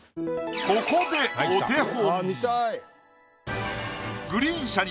ここでお手本。